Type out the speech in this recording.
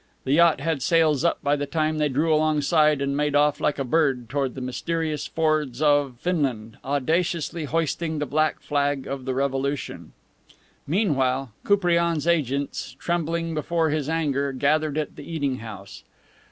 The yacht had sails up by the time they drew alongside, and made off like a bird toward the mysterious fords of Finland, audaciously hoisting the black flag of the Revolution. Meantime, Koupriane's agents, trembling before his anger, gathered at the eating house.